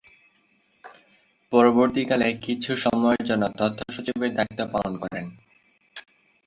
পরবর্তীকালে কিছু সময়ের জন্য তথ্য সচিবের দায়িত্ব পালন করেন।